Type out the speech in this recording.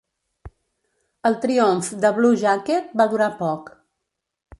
El triomf de Blue Jacket va durar poc.